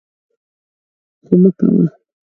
خو مه کوه!